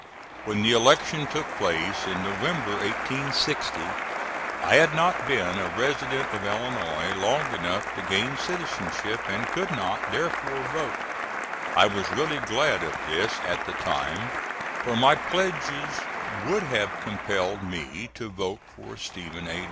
When the election took place in November, 1860, I had not been a resident of Illinois long enough to gain citizenship and could not, therefore, vote. I was really glad of this at the time, for my pledges would have compelled me to vote for Stephen A.